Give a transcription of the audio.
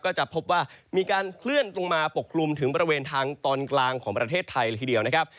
ก็จะพบว่ามีการเคลื่อนลงมาปกคลุมถึงบริเวณทางตอนกลางของประเทศไทยเลยทีเดียวนะครับ